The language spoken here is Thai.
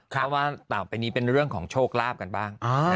เพราะว่าต่อไปนี้เป็นเรื่องของโชคลาภกันบ้าง